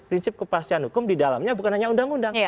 prinsip kepastian hukum di dalamnya bukan hanya undang undang